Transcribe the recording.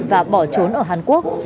và bỏ trốn ở hàn quốc